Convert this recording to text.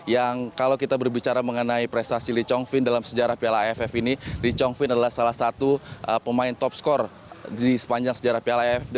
yang kalau kita berbicara mengenai prestasi lee chong vin dalam sejarah piala aff ini lee chong vin adalah salah satu pemain top skor di sepanjang sejarah piala aff